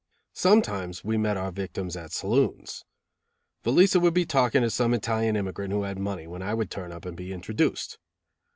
Sometimes we met our victims at saloons. Velica would be talking to some Italian immigrant who had money, when I would turn up and be introduced.